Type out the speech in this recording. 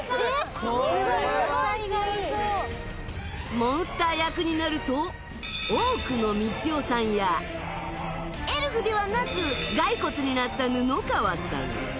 モンスター役になるとオークのみちおさんやエルフではなくガイコツになった布川さん